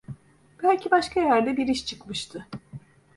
Belki başka yerde bir iş çıkmıştı.